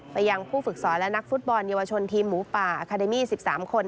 ยังผู้ฝึกสอนและนักฟุตบอลเยาวชนทีมหมูป่าอาคาเดมี่๑๓คน